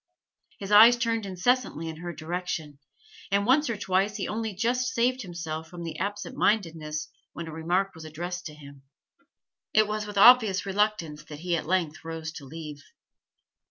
His eyes turned incessantly in her direction, and once or twice he only just saved himself from absent mindedness when a remark was addressed to him. It was with obvious reluctance that he at length rose to leave.